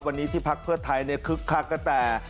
วันนี้ที่พักเพื่อไทยคึกคักกันแต่